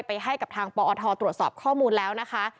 ให้กับทางปอทตรวจสอบข้อมูลแล้วนะคะ